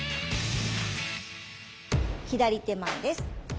左手前です。